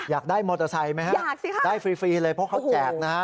อยากได้มอเตอร์ไซค์ไหมฮะอยากสิคะได้ฟรีเลยเพราะเขาแจกนะฮะ